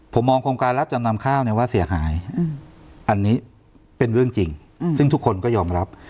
ผมมองโครงการรับจำนำข้าวเนี่ยว่าเสียหายอันนี้เป็นเรื่องจริงซึ่งทุกคนก็ยอมรับ